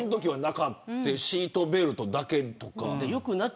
シートベルトだけとかね。